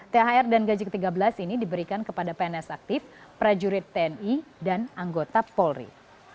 thr dan gaji ke tiga belas ini diberikan kepada pns aktif prajurit tni dan anggota polri